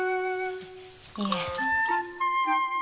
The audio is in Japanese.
いえ